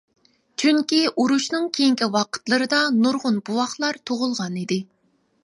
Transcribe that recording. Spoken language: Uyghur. چۈنكى ئۇرۇشنىڭ كېيىنكى ۋاقىتلىرىدا نۇرغۇن بوۋاقلار تۇغۇلغان ئىدى.